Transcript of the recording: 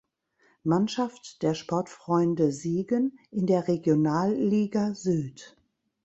Mannschaft der Sportfreunde Siegen in der Regionalliga Süd.